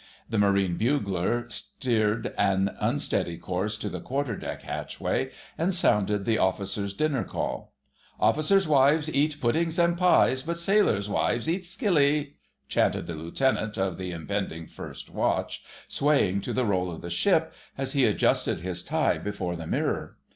The Marine bugler steered an unsteady course to the quarterdeck hatchway and sounded the Officers' Dinner Call. "Officers' wives eat puddings and pies, But sailors' wives eat skilly..." chanted the Lieutenant of the impending first watch, swaying to the roll of the ship as he adjusted his tie before the mirror.